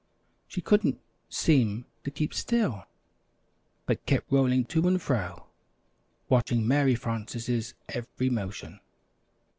She couldn't seem to keep still, but kept rolling to and fro, watching Mary Frances' every motion.